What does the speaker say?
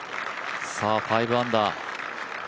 ５アンダー。